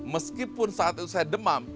meskipun saat itu saya demam